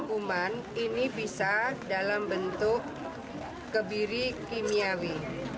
hukuman ini bisa dalam bentuk kebiri kimiawi